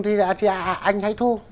thì anh hãy thu